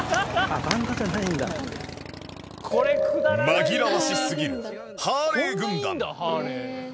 紛らわしすぎるハーレー軍団